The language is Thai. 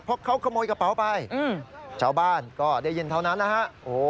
เพราะเขาขโมยกระเป๋าไปชาวบ้านก็ได้ยินเท่านั้นนะฮะ